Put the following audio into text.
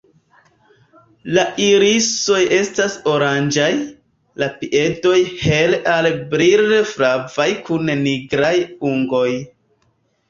La irisoj estas oranĝaj, la piedoj hele al brile flavaj kun nigraj ungoj.